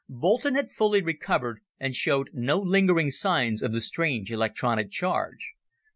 Boulton had fully recovered and showed no lingering signs of the strange electronic charge.